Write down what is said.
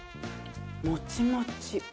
もちもち！